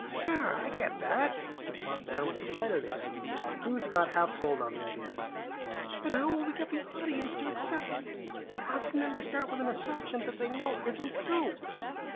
"Sure. I get that." The plump man was excited again; he was about half sold on the idea. "But how will we get the audience to accept it? We're asking them to start with an assumption they know isn't true."